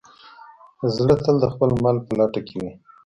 زړه تل د خپل مل په لټه کې وي.